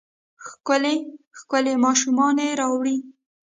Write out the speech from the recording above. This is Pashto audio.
ښکلې ، ښکلې ماشومانې راوړي